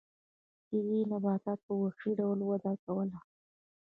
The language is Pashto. دې نباتاتو په وحشي ډول وده کوله.